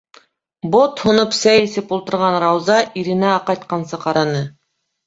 - Бот һоноп сәй әсеп ултырған Рауза иренә аҡайтҡансы ҡараны.